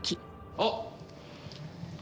あっ！